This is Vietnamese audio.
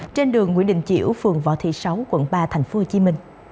trên đường nguyễn đình chiểu phường võ thị sáu quận ba tp hcm